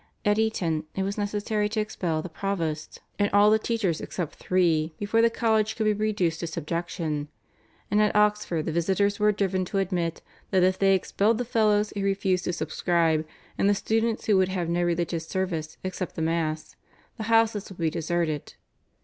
At Eton it was necessary to expel the provost and all the teachers except three before the college could be reduced to subjection, and at Oxford the visitors were driven to admit, that if they expelled the fellows who refused to subscribe, and the students who would have no religious service except the Mass, the houses would be deserted.